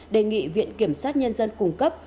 đề nghị viện kiểm sát nhân dân cung cấp